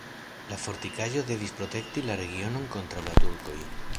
La fortikaĵo devis protekti la regionon kontraŭ la turkoj.